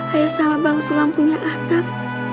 ayah sama bang sulam punya anak